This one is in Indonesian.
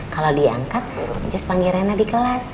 kalau diangkat incus panggil rena di kelas